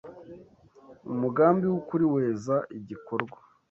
Umugambi w’ukuri weza igikorwa.